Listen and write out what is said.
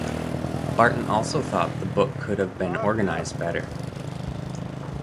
Barton also thought the book could have been organized better.